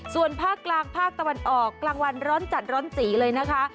ส่วนภาคกลางภาคตะวันออกกลางวันร้อนจัดร้อนจีเลยนะคะ